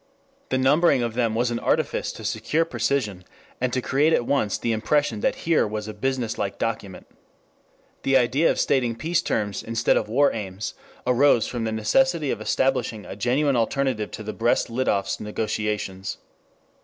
The numbering of them was an artifice to secure precision, and to create at once the impression that here was a business like document. The idea of stating "peace terms" instead of "war aims" arose from the necessity of establishing a genuine alternative to the Brest Litovsk negotiations.